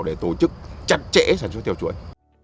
để tổ chức chặt chẽ sản xuất theo chuỗi